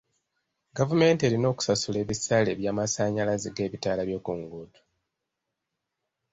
Gavumenti erina okusasula ebisale by'amasannyalazze g'ebitaala by'oku nguudo.